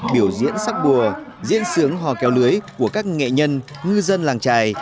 biểu diễn sắc bùa diễn sướng hò kéo lưới của các nghệ nhân ngư dân làng trài